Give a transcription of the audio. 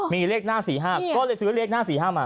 มีเลขหน้า๔๕ก็เลยซื้อเลขหน้า๔๕มา